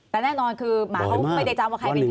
แต่แน่นอนคือหมาเขาไม่ได้จำว่าใครเป็นใคร